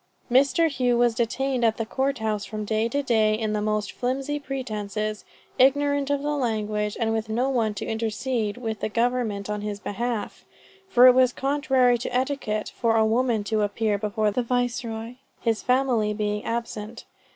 Mr. Hough was detained at the court house from day to day on the most flimsy pretences, ignorant of the language, and with no one to intercede with the government in his behalf, for it was contrary to etiquette for a woman to appear before the Viceroy, his family being absent.